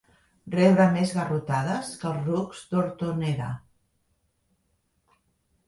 Rebre més garrotades que els rucs d'Hortoneda.